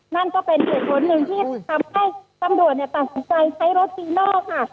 นั่นก็เป็นเหตุผลหนึ่งที่ทำให้ตำลดเนี่ยตัดสุดใจใช้รถตีนอกค่ะ